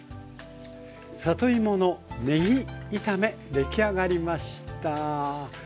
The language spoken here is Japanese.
出来上がりました。